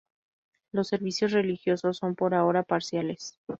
Los servicios religiosos son por ahora parciales.